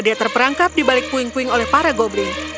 dia terperangkap di balik puing puing oleh para goblin